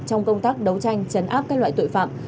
trong công tác đấu tranh chấn áp các loại tội phạm